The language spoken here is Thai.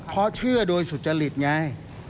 เพราะเชื่อโดยสุจริตไง